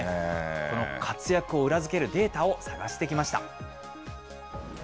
この活躍を裏付けるデータを探してきました。